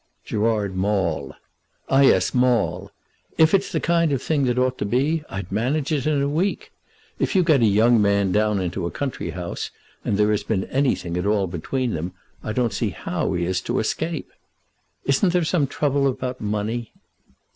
"Gerard Maule." "Ah, yes; Maule. If it's the kind of thing that ought to be, I'd manage it in a week. If you get a young man down into a country house, and there has been anything at all between them, I don't see how he is to escape. Isn't there some trouble about money?"